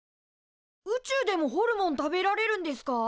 宇宙でもホルモン食べられるんですか？